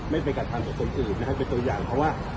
ไม่มีกับธรรมห์ทุกคนอื่นนะฮะเป็นตัวอย่างเพราะว่า